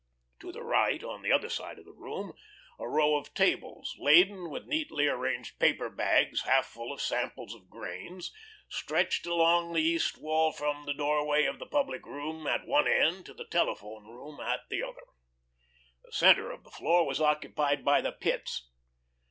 To the right, on the other side of the room, a row of tables, laden with neatly arranged paper bags half full of samples of grains, stretched along the east wall from the doorway of the public room at one end to the telephone room at the other. The centre of the floor was occupied by the pits.